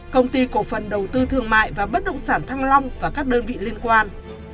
công ty cổ phần đầu tư thương mại và bất động sản thăng long và các đơn vị liên quan